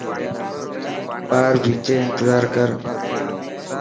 ٻار ڀيچي انتظار ڪر.